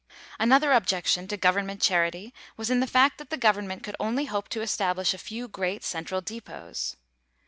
Another objection to government charity was in the fact that the government could only hope to establish a few great central depots.